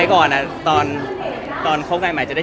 อเจมส์ออกไว้กับท่านเดิม